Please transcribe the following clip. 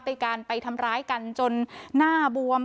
เป็นการไปทำร้ายกันจนหน้าบวม